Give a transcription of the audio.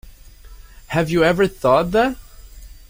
Have you ever thought that?